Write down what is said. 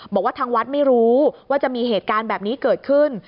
บอกว่าทางวัดไม่รู้ว่าจะมีเหตุการณ์แบบนี้เกิดขึ้น